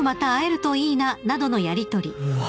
うわ。